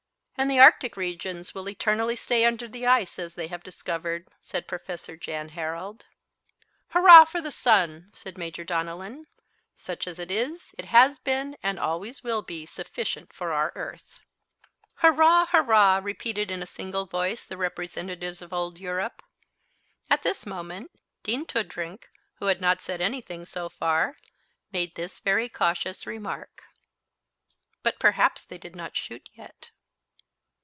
"And the Arctic regions will eternally stay under the ice as they have discovered," said Prof. Jan Harald. "Hurrah for the sun," said Major Donellan. "Such as it is, it has been and always will be sufficient for our earth." "Hurrah, hurrah," repeated in single voice the representatives of old Europe. At this moment Dean Toodrink, who had not said anything so far, made this very cautious remark: But perhaps they did not shoot yet.